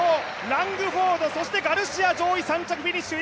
ラングフォード、そしてガルシア、上位３着フィニッシュ。